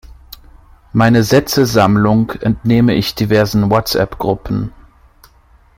Meine Sätzesammlung entnehme ich diversen WhatsApp-Gruppen.